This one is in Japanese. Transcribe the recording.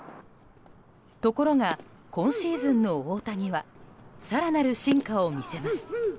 ところが、今シーズンの大谷は更なる進化を見せます。